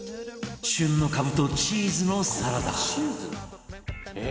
旬のカブとチーズのサラダ